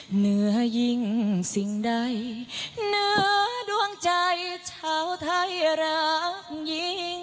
เหนือยิ่งสิ่งใดเหนือดวงใจชาวไทยรักยิ่ง